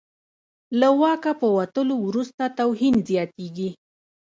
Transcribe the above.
له واکه په وتلو وروسته توهین زیاتېږي.